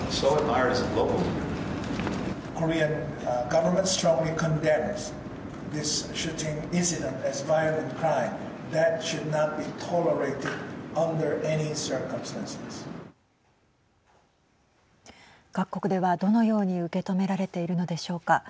各国ではどのように受け止められているのでしょうか。